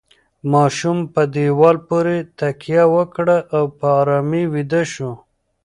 ماشوم په دیوال پورې تکیه وکړه او په ارامۍ ویده شو.